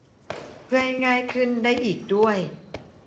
เพื่อให้ง่ายขึ้นได้อีกด้วย